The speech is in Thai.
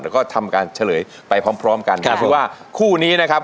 แล้วก็ทำการเฉลยไปพร้อมกันคือว่าคู่นี้นะครับ